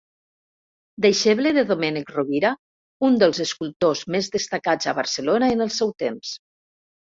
Deixeble de Domènec Rovira, un dels escultors més destacats a Barcelona en el seu temps.